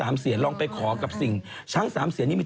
เรื่องนี้จะไปสัมผัสเนี่ยวันที่๓๔๕